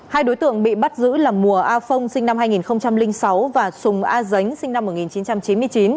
hai đối tượng bị bắt giữ là mùa a phong sinh năm hai nghìn sáu và sùng a dính sinh năm một nghìn chín trăm chín mươi chín